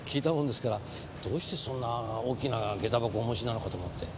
どうしてそんな大きな下駄箱お持ちなのかと思って。